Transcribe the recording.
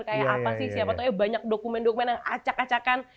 kayak apa sih siapa taunya banyak dokumen dokumen yang acak acakan